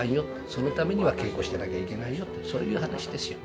そのためには稽古してなきゃいけないよ、そういう話ですよ。